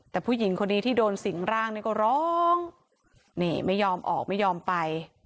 แต่ผู้หญิงคนนี้ที่โดนสิงร่างนี่ก็ร้องนี่ไม่ยอมออกไม่ยอมไป